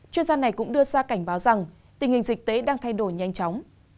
chuyên gia này cũng đưa ra cảnh báo rằng tình hình dịch tễ đang thay đổi nhanh chóng